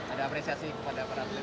ada apresiasi kepada para atlet